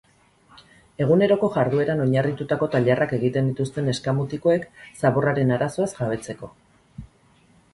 Eguneroko jardueran oinarritutako tailerrak egiten dituzte neska-mutikoek zaborraren arazoaz jabetzeko.